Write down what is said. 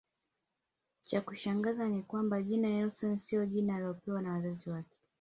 Cha kushangaza ni kwamba jina Nelson siyo jina alilopewa na Wazazi wake